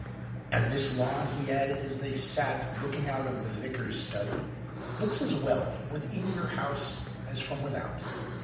And this lawn, he added, as they sat looking out of the Vicar's study, looks as well from within your house as from without.